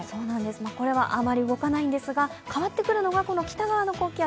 これはあまり動かないんですが、変わってくるのが北側の高気圧。